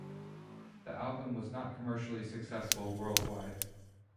The album was not commercially successful worldwide.